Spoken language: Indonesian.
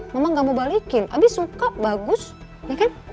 memang gak mau balikin abis suka bagus ya kan